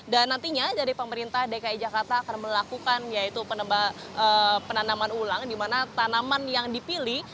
dan nantinya dari pemerintah dki jakarta akan melakukan yaitu penerba penanaman ulang dimana tanaman yang dipilih